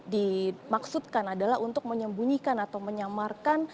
dimaksudkan adalah untuk menyembunyikan atau menyamarkan